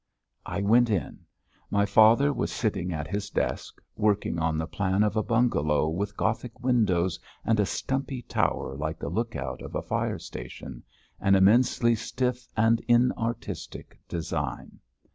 I went in. My father was sitting at his desk working on the plan of a bungalow with Gothic windows and a stumpy tower like the lookout of a fire station an immensely stiff and inartistic design.